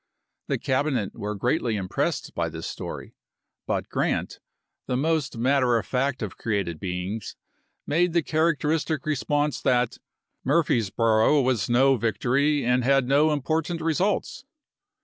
The Cabinet were greatly impressed by this story ; but Grant, the most matter of fact of created beings, made the characteristic response that " Murfreesboro' was no 282 ABEAHAM LINCOLN chap. xiv. victory, and had no important results."